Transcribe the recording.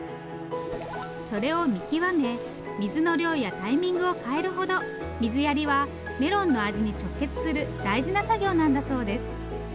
それを見極め水の量やタイミングを変えるほど水やりはメロンの味に直結する大事な作業なんだそうです。